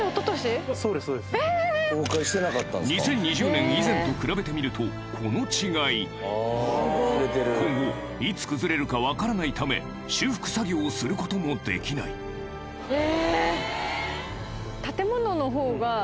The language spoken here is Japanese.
２０２０年以前と比べてみるとこの違い今後いつ崩れるか分からないため修復作業することもできないえ！